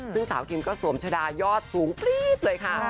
ซึ่งสาวคิมก็สวมชะดายอดสูงปรี๊ดเลยค่ะ